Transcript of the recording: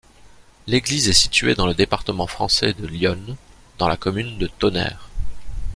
L'église est située dans le département français de l'Yonne, dans la commune de Tonnerre.